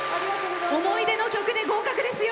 思い出の曲で合格ですよ。